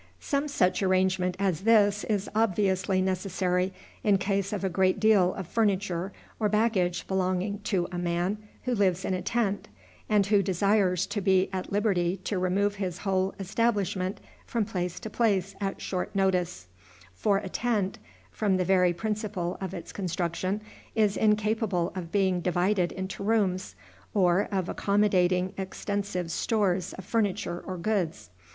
Some such arrangement as this is obviously necessary in case of a great deal of furniture or baggage belonging to a man who lives in a tent, and who desires to be at liberty to remove his whole establishment from place to place at short notice; for a tent, from the very principle of its construction, is incapable of being divided into rooms, or of accommodating extensive stores of furniture or goods.